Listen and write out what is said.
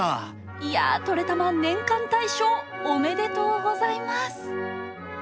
いやー、「トレたま年間大賞」おめでとうございます。